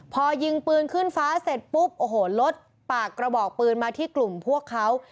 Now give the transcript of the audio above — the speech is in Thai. พอยิงปืนขึ้นฟ้าเสร็จปุ๊บโอ้โหรถปากกระบอกปืนมาที่กลุ่มพวกเขา